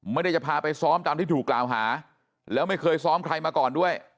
ไม่ได้จะพาไปซ้อมตามที่ถูกกล่าวหาแล้วไม่เคยซ้อมใครมาก่อนด้วย